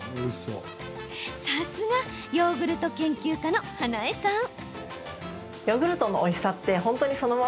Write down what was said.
さすがヨーグルト研究家の花映さん。